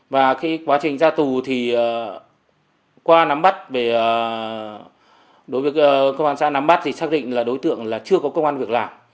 và cái quá trình ra tù thì qua nắm bắt về đối với công an xã nắm bắt thì xác định là đối tượng là chưa có công an việc làm